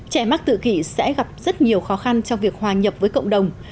trẻ mắc tự kỷ sẽ gặp rất nhiều khó khăn trong việc hòa nhập với cộng đồng